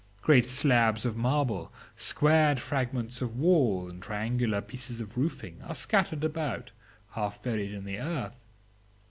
Great slabs of marble, squared fragments of wall and triangular pieces of roofing, are scattered about, half buried in the earth.